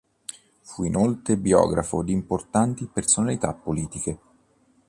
Fu inoltre biografo di importanti personalità politiche.